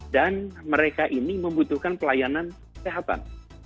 dan mereka ini membutuhkan pelayanan kesehatan